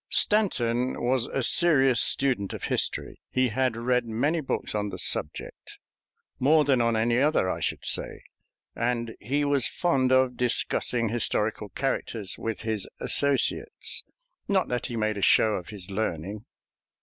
Stanton was a serious student of history. He had read many books on the subject more than on any other, I should say and he was fond of discussing historical characters with his associates; not that he made a show of his learning.